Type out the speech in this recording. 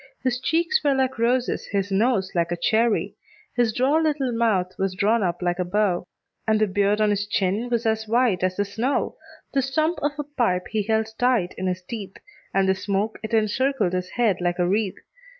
His cheeks were like roses, his nose like a cherry; His droll little mouth was drawn up like a bow, And the beard on his chin was as white as the snow; The stump of a pipe he held tight in his teeth, And the smoke, it encircled his head like a wreath.